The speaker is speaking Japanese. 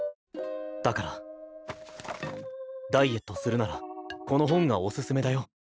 だからダイエットするならこの本がおすすめだよ。